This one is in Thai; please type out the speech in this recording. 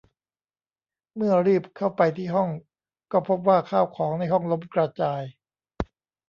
เมื่อรีบเข้าไปที่ห้องก็พบว่าข้าวของในห้องล้มกระจาย